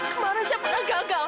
kemarin saya pernah gagal